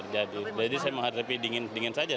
jadi saya menghadapi dingin dingin saja